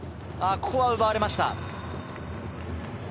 ここは奪われました。